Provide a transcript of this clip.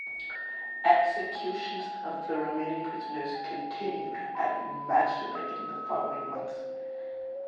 Executions of the remaining prisoners continued at Majdanek in the following months.